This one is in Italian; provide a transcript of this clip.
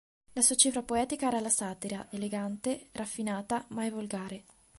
La sua cifra poetica era la satira, elegante, raffinata, mai volgare.